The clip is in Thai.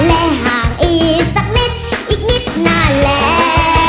และห่างอีกสักนิดอีกนิดนานแล้ว